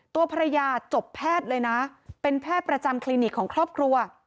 ตัวภรรยาจบแพทย์เลยนะเป็นแพทย์ประจำคลินิกของครอบครัว